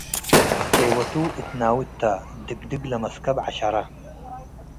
ጬወቱ እት ናውድታ - ድግድግ ለመስከብ ዐሸረ